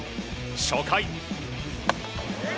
初回。